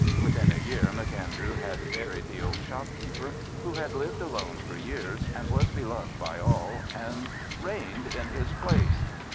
Within a year M'Andrew had buried the old shopkeeper, who had lived alone for years and was beloved by all, and reigned in his place.